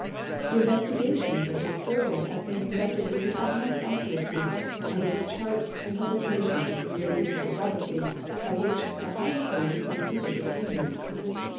The investigations of this Survey have Ijeen conducted with the utmost accuracy, and its charts and ])ublications relating to hydrograi)hy have reached tlie liighcst ])oint of scientific attainment.